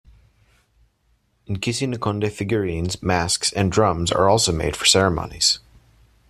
"Nkisi nkonde" figurines, masks and drums are also made for ceremonies.